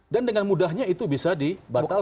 dan dengan mudahnya itu bisa dibatalkan